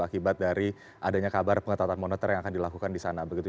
akibat dari adanya kabar pengetatan moneter yang akan dilakukan di sana begitu